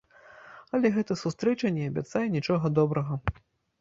Але гэта сустрэча не абяцае нічога добрага.